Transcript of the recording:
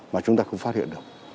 mà chúng ta không phát hiện được